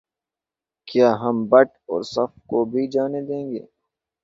کیا ہم بٹ اور صف کو بھی جانے دیں گے